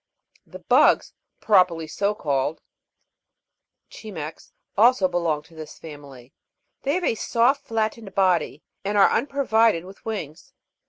5. The bugs, properly so called (Cimex), also belong to this family ; they have a soft flat tened body, and are unprovided with wings.